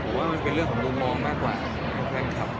ผมว่ามันเป็นเรื่องของมุมมองมากกว่าของแฟนคลับ